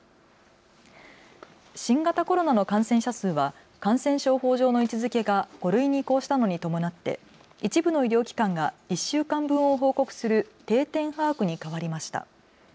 新型コロナの感染者数は感染症法上の位置づけが５類に移行したのに伴って一部の医療機関が１週間分を報告する定点把握に変わりました。